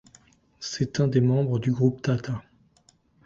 C'est un des membres du groupe Tata.